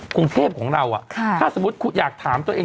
กรุงเทพของเราถ้าสมมุติคุณอยากถามตัวเอง